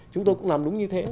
chúng tôi cũng làm đúng như thế